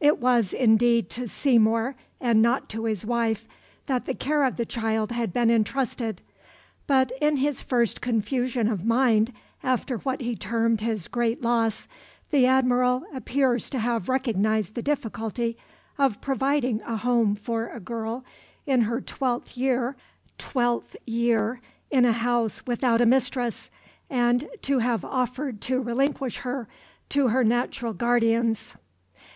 It was indeed to Seymour, and not to his wife, that the care of the child had been entrusted; but in his first confusion of mind after what he termed his great loss, the Admiral appears to have recognised the difficulty of providing a home for a girl in her twelfth year in a house without a mistress, and to have offered to relinquish her to her natural guardians.